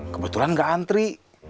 kebetulan nggak antri